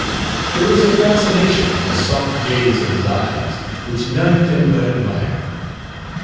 There is a fascination in the soft gaze of his eyes, which none can but admire.